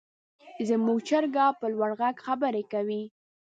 زموږ چرګه په لوړ غږ خبرې کوي.